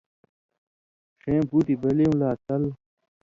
ݜیں بُٹیۡ بلیوں لا تَل،